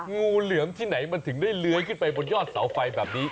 งูเหลือมที่ไหนมันถึงได้เลื้อยขึ้นไปบนยอดเสาไฟแบบนี้